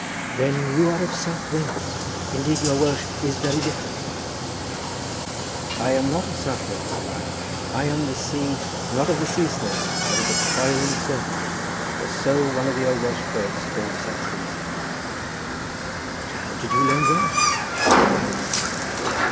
"Then you are of South Wales—indeed your Welsh is very different from ours." "I am not of South Wales," said I, "I am the seed not of the sea snake but of the coiling serpent, for so one of the old Welsh poets called the Saxons." "But how did you learn Welsh?" said the old man.